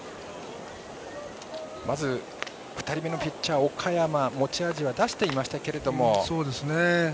まず、２人目のピッチャー・岡山持ち味は出していましたけども。